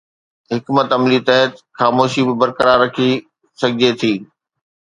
حڪمت عملي تحت خاموشي به برقرار رکي سگهجي ٿي.